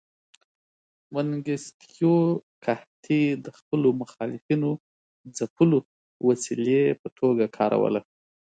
منګیستیو قحطي د خپلو مخالفینو ځپلو وسیلې په توګه کاروله.